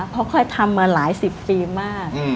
เพราะเคยทำมาหลายสิบปีมาก